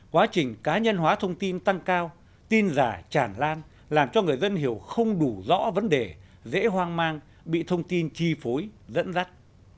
quá trình cá nhân hóa thông tin tăng cao tin giả tràn lan làm cho người dân hiểu không đủ rõ vấn đề dễ hoang mang bị thông tin chi phối dẫn dắt